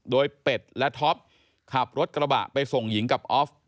โดยเป็ดและท็อปขับรถกระบะไปส่งหญิงกับออฟ